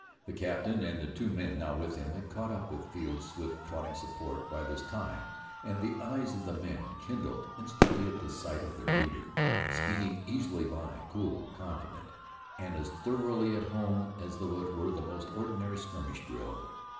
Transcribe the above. The captain and the two men now with him had caught up with Field's swift trotting support by this time, and the eyes of the men kindled instantly at sight of their leader speeding easily by, cool, confident and as thoroughly at home as though it were the most ordinary skirmish drill.